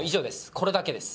これだけです。